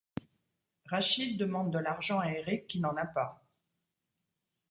Rachid demande de l’argent à Éric, qui n’en a pas.